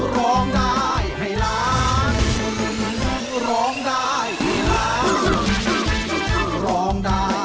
ร้องได้ให้ร้อง